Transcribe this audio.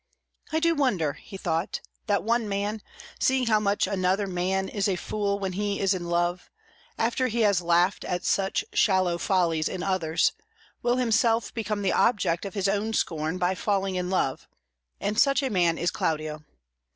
"I do wonder," he thought, "that one man, seeing how much another man is a fool when he is in love, after he has laughed at such shallow follies in others, will himself become the object of his own scorn by falling in love; and such a man is Claudio.